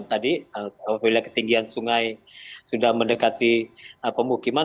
tadi wilayah ketinggian sungai sudah mendekati pemukiman